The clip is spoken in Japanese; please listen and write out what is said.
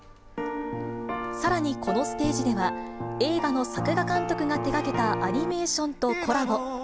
さらにこのステージでは、映画の作画監督が手がけたアニメーションとコラボ。